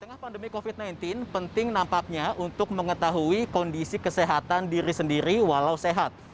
di tengah pandemi covid sembilan belas penting nampaknya untuk mengetahui kondisi kesehatan diri sendiri walau sehat